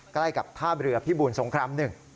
ใกล้กับท่าเรือพิบูลสงคราม๑